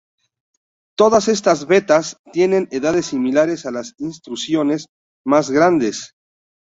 Todas estas vetas tienen edades similares a las intrusiones más grandes.